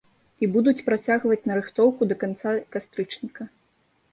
І будуць працягваць нарыхтоўку да канца кастрычніка.